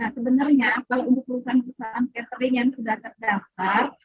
sebenarnya kalau untuk perusahaan perusahaan catering yang sudah terdaftar